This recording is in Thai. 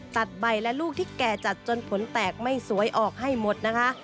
ตัดใบและลูกที่แก่จัดจนผลแตกไม่สวยออกให้หมดนะคะ